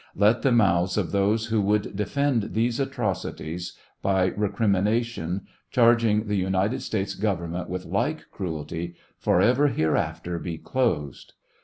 Let the mouths of those who would defend these atrocities by recrimipation, charg ing the United States government with like cruelty, forever hereafter be closed.